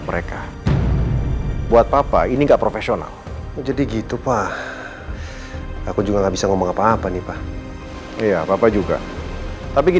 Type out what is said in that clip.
oke kalau boleh tau posisi kalian sekarang dimana biar nanti saya datangin